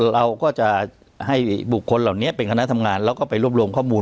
เราก็จะให้บุคคลเหล่านี้เป็นคณะทำงานแล้วก็ไปรวบรวมข้อมูล